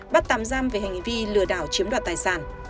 bắt tạm giam về hành vi lừa đảo chiếm đoạt tài sản